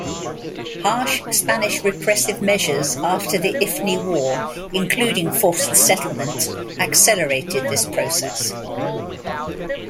Harsh Spanish repressive measures after the Ifni War, including forced settlement, accelerated this process.